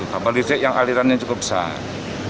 kapal listrik yang alirannya cukup besar